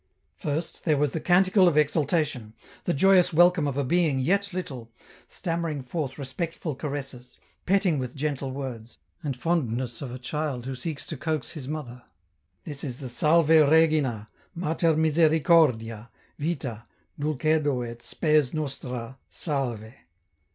First, there was the canticle of exultation, the joyous welcome of a being yet little, stammering forth respectful caresses, petting with gentle words, and fondness of a child who seeks to coax his mother — this is the *' Salve Regina, Mater misericordise, vita, dulcedo etspes nostra, salve."